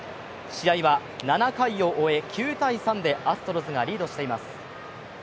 試合は７回を追え９−３でアストロズがリードしています。